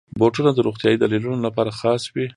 بوټونه د روغتیايي دلیلونو لپاره خاص وي.